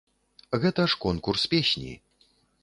Гэта ж конкурс песні!